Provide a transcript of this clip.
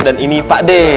dan ini pak d